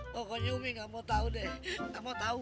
pokoknya umi gak mau tau deh gak mau tau